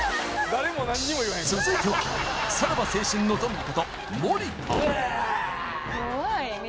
続いてはさらば青春のゾンビこと森田うわ！